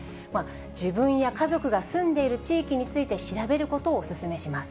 自分や家族が住んでいる地域について調べることをお勧めします。